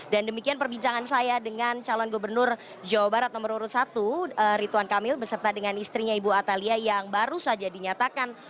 dan demikian perbincangan saya dengan calon gubernur jawa barat nomor dua puluh satu ritwan kamil beserta dengan istrinya ibu atalia yang baru saja dinyatakan